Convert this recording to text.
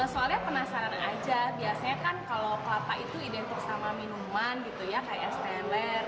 soalnya penasaran aja biasanya kan kalau kelapa itu identik sama minuman gitu ya kayak es teler